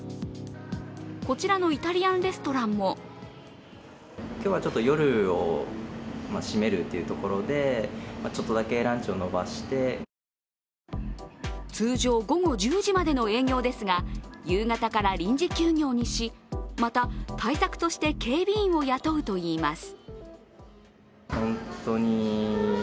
こちらのイタリアンレストランも通常午後１０時までの営業ですが夕方から臨時休業にし、また、対策として警備員を雇うといいます。